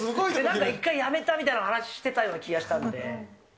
一回辞めたみたいな話してたような気がしたんで。